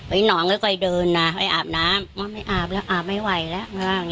ไอ้น้องก็ค่อยเดินน่ะไปอาบน้ำไม่อาบแล้วอาบไม่ไหวแล้ว